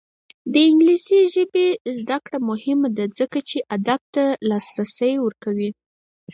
د انګلیسي ژبې زده کړه مهمه ده ځکه چې ادب ته لاسرسی ورکوي.